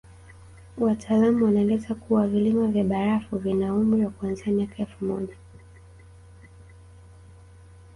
Wataalamu wanaeleza kuwa vilima hivi vya barafu vina umri wa kuanzia miaka elfu moja